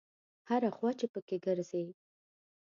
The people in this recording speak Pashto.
هره خوا چې په کې ګرځې.